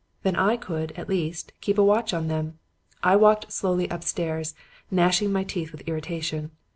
Then I could, at least, keep a watch on them. I walked slowly upstairs gnashing my teeth with irritation.